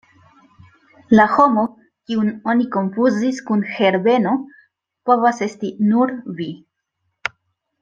La homo, kiun oni konfuzis kun Herbeno povas esti nur vi.